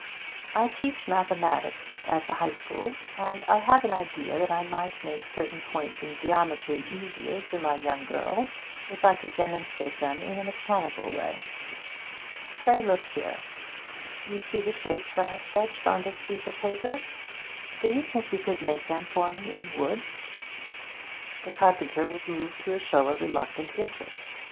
I teach mathematics at the High School, and I have an idea that I might make certain points in geometry easier to my younger girls if I could demonstrate them in a mechanical way. Pray look here. You see the shapes I have sketched on this piece of paper; do you think you could make them for me in wood?' The carpenter was moved to a show of reluctant interest.